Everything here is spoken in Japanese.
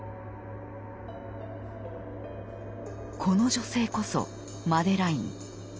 この女性こそマデライン。